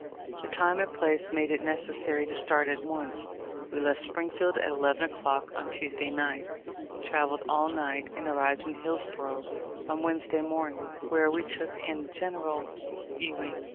The time and place made it neces sary to start at once. We left Springfield at eleven o'clock on Tuesday night, travelled all night, and arrived in Hillsborough on Wednesday morning, where we took in General Ewing.